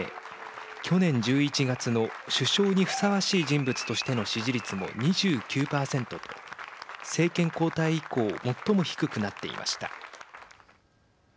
去年１１月の首相にふさわしい人物としての支持率も２９％と政権交代以降最も低くなっていました。